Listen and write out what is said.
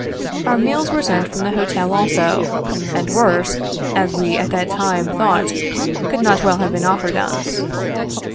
Our meals were sent from the Hotel also, and worse, as we at that time thought, could not well have been offered us.